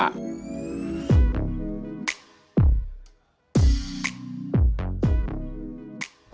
nah kita bisa berjalan dengan baik